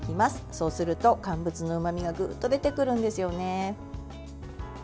そうすると、乾物のうまみがぐっと出てくるんですよね。